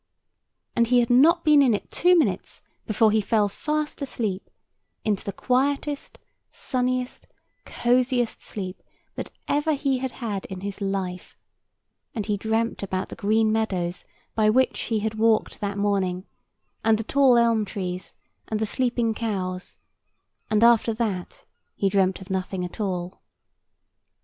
And he had not been in it two minutes before he fell fast asleep, into the quietest, sunniest, cosiest sleep that ever he had in his life; and he dreamt about the green meadows by which he had walked that morning, and the tall elm trees, and the sleeping cows; and after that he dreamt of nothing at all.